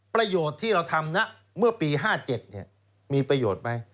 ประโยชน์ที่เราทำนะเมื่อปี๕๗มีประโยชน์ไหม